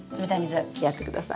やってください。